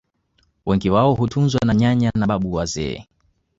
Wengi wao hutunzwa na nyanya na babu wazee